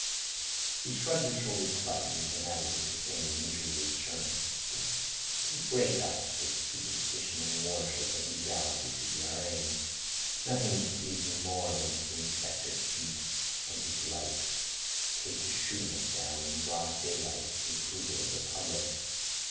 He shrugged his shoulders slightly, then added with the same leisurely assurance: "To break up the superstition and worship of legality should be our aim. Nothing would please me more than to see Inspector Heat and his likes take to shooting us down in broad daylight with the approval of the public.